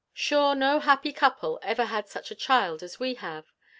Sure no happy couple ever had such a child as we have!